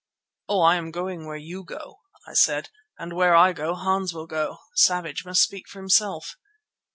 "Oh! I'm going where you go," I said, "and where I go Hans will go. Savage must speak for himself."